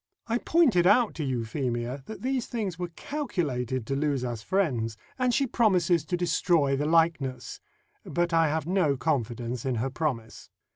I pointed out to Euphemia that these things were calculated to lose us friends, and she promises to destroy the likeness; but I have no confidence in her promise.